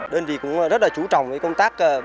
đơn vị cũng rất là chú trọng công tác